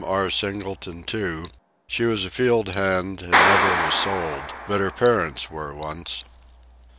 R. Singleton too; she was a field hand, and never was sold, but her parents were once.